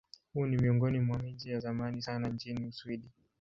Huu ni miongoni mwa miji ya zamani sana nchini Uswidi.